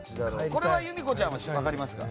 これは由美子ちゃんは分かりますか？